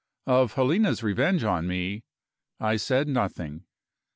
Of Helena's revenge on me I said nothing.